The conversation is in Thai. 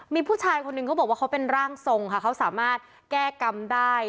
มีผู้ชายคนหนึ่งเขาบอกว่าเขาเป็นร่างทรงค่ะเขาสามารถแก้กรรมได้